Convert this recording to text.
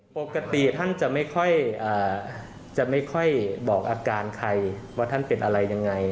ปกติท่านจะไม่ค่อยจะไม่ค่อยบอกอาการใครว่าท่านเป็นอะไรยังไง